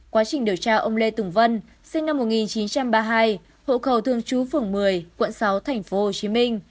quá trình điều tra ông lê tùng vân sinh năm một nghìn chín trăm ba mươi hai hộ khẩu thường trú phường một mươi quận sáu thành phố hồ chí minh